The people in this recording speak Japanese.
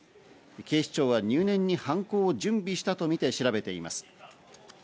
警視庁は入念に犯行を準備したとみて調べています。